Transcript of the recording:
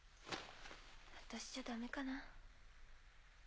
私じゃダメかな。